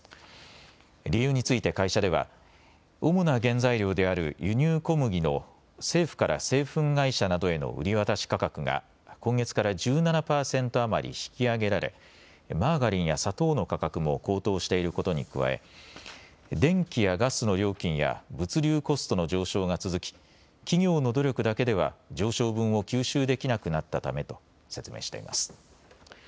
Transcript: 理由について会社では主な原材料である輸入小麦の政府から製粉会社などへの売り渡し価格が今月から１７％余り引き上げられマーガリンや砂糖の価格も高騰していることに加え電気やガスの料金や物流コストの上昇が続き企業の努力だけでは上昇分を吸収できなくなったためと説明しています。